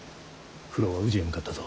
九郎は宇治へ向かったぞ。